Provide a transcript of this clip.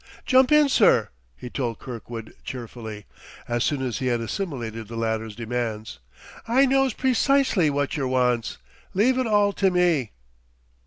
"Jump in, sir," he told Kirkwood cheerfully, as soon as he had assimilated the latter's demands. "I knows precisely wotcher wants. Leave it all to me."